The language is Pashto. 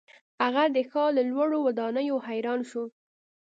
هغه د ښار له لوړو ودانیو حیران شو.